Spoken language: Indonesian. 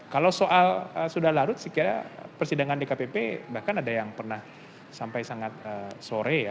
kalau soal sudah larut sekiranya persidangan dkpp bahkan ada yang pernah sampai sangat sore ya